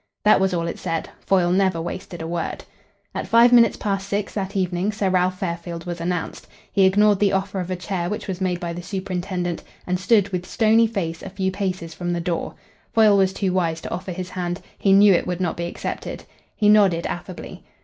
That was all it said: Foyle never wasted a word. At five minutes past six that evening, Sir Ralph Fairfield was announced. He ignored the offer of a chair which was made by the superintendent, and stood with stony face a few paces from the door. Foyle was too wise to offer his hand. He knew it would not be accepted. He nodded affably.